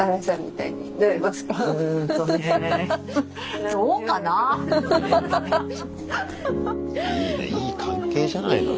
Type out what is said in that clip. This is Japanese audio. いいねいい関係じゃないのよ。